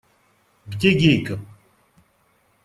Где Гейка?